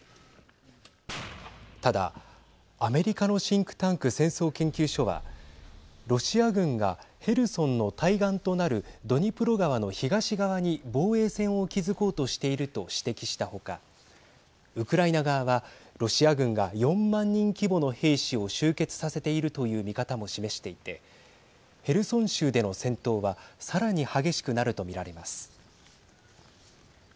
ただ、アメリカのシンクタンク戦争研究所はロシア軍がヘルソンの対岸となるドニプロ川の東側に防衛線を築こうとしていると指摘した他ウクライナ側はロシア軍が４万人規模の兵士を集結させているという見方を示していてヘルソン州での戦闘はさらに激しくなると見られます。